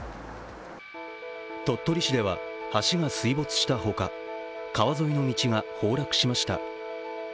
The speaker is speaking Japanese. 鳥取市では橋が水没したほか川沿いの道が崩落しました。